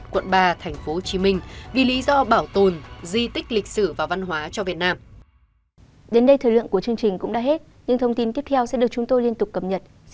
quận ba tp hcm vì lý do bảo tồn di tích lịch sử và văn hóa cho việt nam